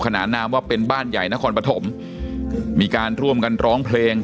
นานามว่าเป็นบ้านใหญ่นครปฐมมีการร่วมกันร้องเพลง